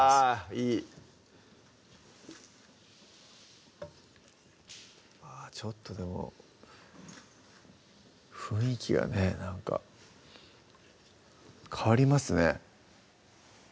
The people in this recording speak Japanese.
いいちょっとでも雰囲気がねなんか変わりますね